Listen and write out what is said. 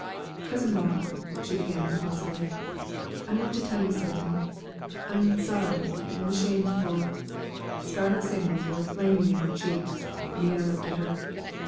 "Cousin Rob," she began, impulsively, "I want to tell you something. I'm sorry and ashamed for " Scarlet signals were flaming in her cheeks, and he interrupted her.